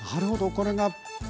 これがね